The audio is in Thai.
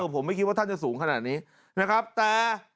ผมไม่คิดว่าท่านจะสูงขนาดนี้